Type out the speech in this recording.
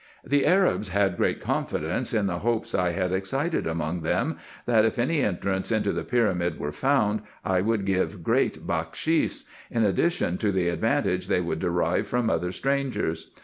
The Arabs had great confidence in the hopes I had excited among them, that if any entrance into the pyramid were found, I would give great bakshis, in addition to the advantage they would derive from other strangers.